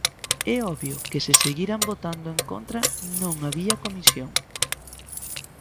É obvio que se seguiran votando en contra non había comisión.